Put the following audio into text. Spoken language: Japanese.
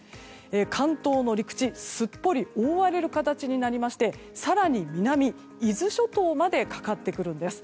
関東の陸地すっぽり覆われる形になりまして更に南、伊豆諸島までかかってくるんです。